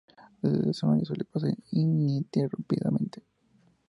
Desde ese año se le pasea ininterrumpidamente.